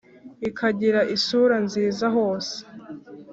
ikagira isura nziza hose.